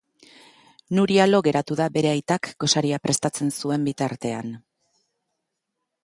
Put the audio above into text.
Nuria lo geratu da bere aitak gosaria prestatzen zuen bitartean.